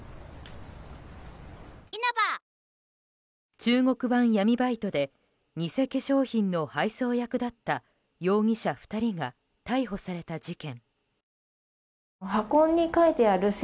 中国版闇バイトで偽化粧品の配送役だった容疑者２人が逮捕された事件。